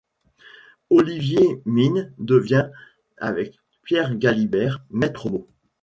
Olivier Minne devient, avec Pierre Galibert, maitre-mot.